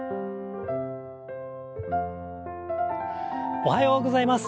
おはようございます。